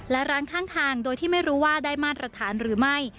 และร้านข้างทางโดยที่ไม่รู้ว่าได้มาตรฐานหรือไม่